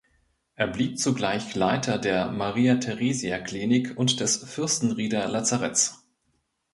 Er blieb zugleich Leiter der Maria-Theresia-Klinik und des Fürstenrieder Lazaretts.